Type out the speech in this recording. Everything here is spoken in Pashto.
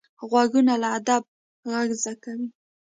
غوږونه له ادب غږ زده کوي